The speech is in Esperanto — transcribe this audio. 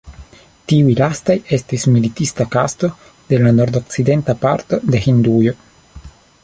Tiuj lastaj estis militista kasto de la nordokcidenta parto de Hindujo.